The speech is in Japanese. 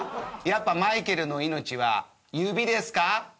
やっぱマイケルの命は指ですか？